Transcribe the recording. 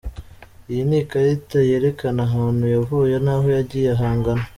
Iyi ni ikarita yerekana ahantu yavuye naho yagiye hangana.